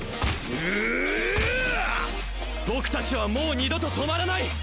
僕たちはもう２度と止まらない！